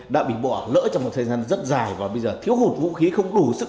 đã bị bỏ lỡ trong một thời gian rất dài và bây giờ thiếu hụt vũ khí không đủ sức